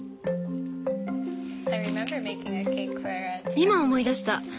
今思い出した。